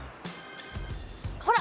ほら！